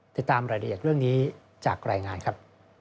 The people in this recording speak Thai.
ติดตามรายละเอียดเรื่องนี้จากรายงานครับ